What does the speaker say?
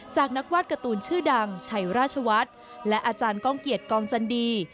จากนักวาดการ์ตูนชื่อดังชัยราชวัฒน์และอาจารย์ก้องเกียจกองจันดี